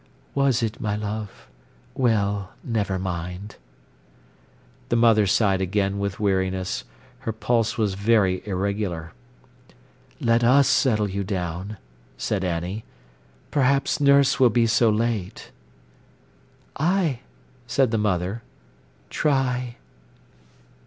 "Was it, my love? Well, never mind." The mother sighed again with weariness. Her pulse was very irregular. "Let us settle you down," said Annie. "Perhaps nurse will be so late." "Ay," said the mother—"try."